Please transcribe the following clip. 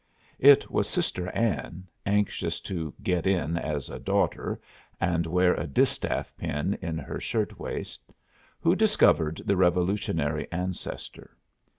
It was sister Anne, anxious to "get in" as a "Daughter" and wear a distaff pin in her shirt waist, who discovered the revolutionary ancestor.